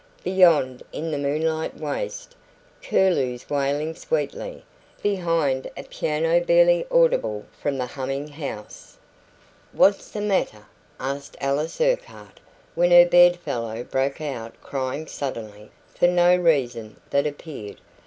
Beyond, in the moonlit waste, curlews wailing sweetly; behind, a piano barely audible from the humming house.... "What's the matter?" asked Alice Urquhart, when her bedfellow broke out crying suddenly, for no reason that appeared.